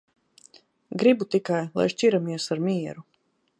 Gribu tikai, lai šķiramies ar mieru.